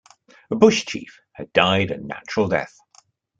A bush chief had died a natural death.